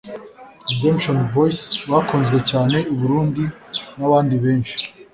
Redemption Voice bakunzwe cyane i Burundi n'abandi benshi